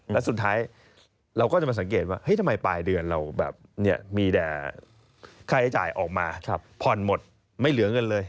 แล้วสุดท้ายเราก็จะสังเกตว่าทำไมปลายเดือนเรามีใครจ่ายมาออกมาพอลหมดไม่เหลือเงินเลย